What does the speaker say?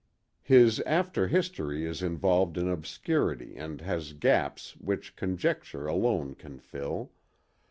His after history is involved in obscurity and has gaps which conjecture alone can fill.